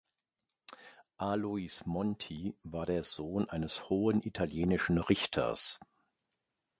Alois Monti war der Sohn eines hohen italienischen Richters.